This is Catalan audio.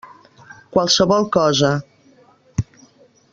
Qualsevol cosa.